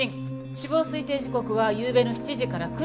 死亡推定時刻はゆうべの７時から９時の間。